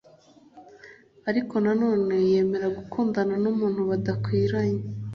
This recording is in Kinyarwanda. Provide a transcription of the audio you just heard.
ariko nanone yemera gukundana n’umuntu badakwiranye